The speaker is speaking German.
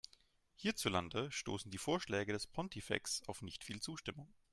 Hierzulande stoßen die Vorschläge des Pontifex auf nicht viel Zustimmung.